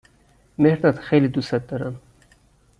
مهرداد خیلی دوستت دارم.